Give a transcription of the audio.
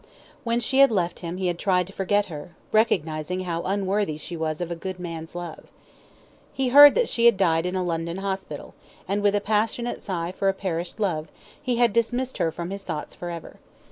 When she had left him he had tried to forget her, recognising how unworthy she was of a good man's love. He heard that she had died in a London hospital, and with a passionate sigh for a perished love, he had dismissed her from his thoughts for ever.